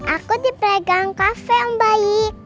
aku di playground cafe mbaik